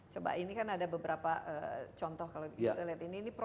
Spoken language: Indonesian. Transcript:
coba ini kan ada beberapa contoh kalau kita lihat ini